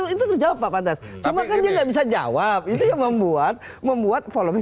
itu terjawab pak pantas cuma kan dia nggak bisa jawab itu yang membuat membuat volume